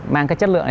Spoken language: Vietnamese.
mang cái chất lượng